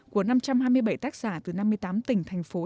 của năm trăm hai mươi bảy tác giả từ năm mươi tám tỉnh thành phố